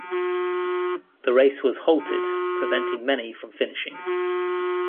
The race was halted, preventing many from finishing.